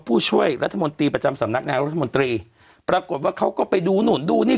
ผู้ช่วยรัฐมนตรีประจำสำนักนายรัฐมนตรีปรากฏว่าเขาก็ไปดูนู่นดูนี่